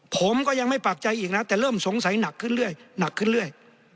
ผมก็ยังไม่ปากใจอีกนะแต่เริ่มสงสัยหนักขึ้นเรื่อยหนักขึ้นเรื่อย